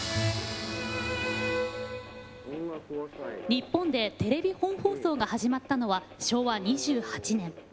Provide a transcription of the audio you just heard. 日本でテレビ本放送が始まったのは昭和２８年。